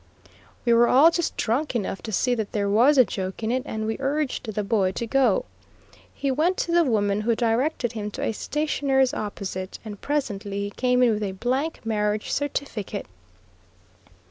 We were all just drunk enough to see that there was a joke in it, and we urged the boy to go. He went to the woman, who directed him to a stationer's opposite, and presently he came in with a blank marriage certificate.